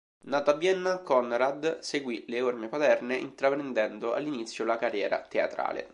Nato a Vienna, Conrad seguì le orme paterne, intraprendendo all'inizio la carriera teatrale.